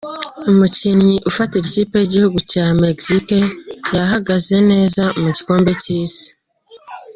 Umukinnyi ufatira ikipe y’igihugu cya Mexique yahagaze neza mu gikombe cy’isi.